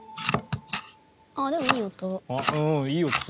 あっでもいい音。